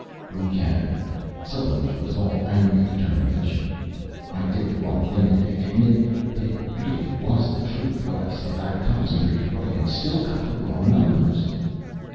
"We can." Suddenly he was all angry determination. "I did the wrong thing today, admitted, but it really was the truth, what I said. I've concentrated right and still got wrong numbers!"